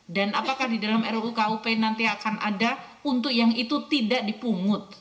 dan apakah di dalam ruu kup nanti akan ada untuk yang itu tidak dipungut